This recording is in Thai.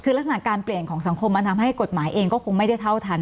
คือลักษณะการเปลี่ยนของสังคมมันทำให้กฎหมายเองก็คงไม่ได้เท่าทัน